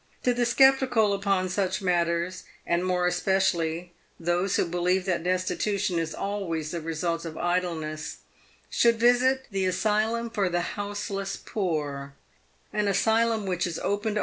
The sceptical upon such matters, and more especially those who believe that destitution is always the result of idleness, should visit; the Asylum for the Houseless Poor; an asylum which is opened!